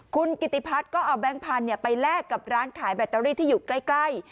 คุณกิติพัฒน์ก็เอาแบงค์พันธุ์ไปแลกกับร้านขายแบตเตอรี่ที่อยู่ใกล้